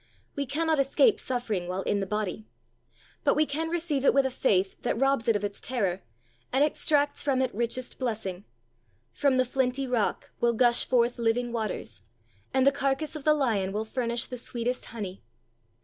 We cannot escape suffering while in the body. But we can receive it with a faith that robs it of its terror, and extracts from it richest blessing; from the flinty rock will gush forth living waters, and the carcase of the lion will furnish the sweetest honey.